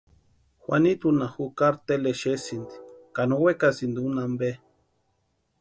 Juanitunha jukari Tele exesïnti ka no wekasïnti úni ampe.